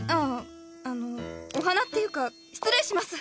あああのお花っていうか失礼します！